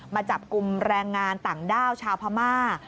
มาจับกลุ่มแรงงานต่างด้าวชาวพม่า